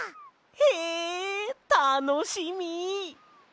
へえたのしみ！